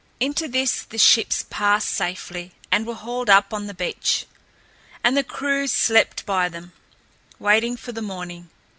Into this the ships passed safely and were hauled up on the beach, and the crews slept by them, waiting for the morning.